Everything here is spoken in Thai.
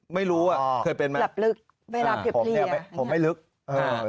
ไม่รู้อ่ะเคยเป็นไหมหลับลึกเวลาเก็บผมเนี่ยผมไม่ลึกอ่า